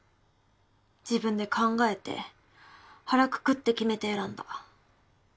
自分で考えて腹くくって決めて選んだ。